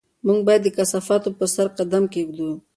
موږ باید د کثافاتو په سر قدم کېږدو.